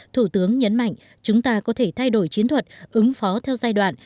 thủ tướng nhấn mạnh chúng ta có thể thay đổi chiến thuật ứng phó theo giai đoạn